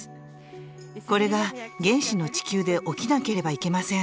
これが原始の地球で起きなければいけません。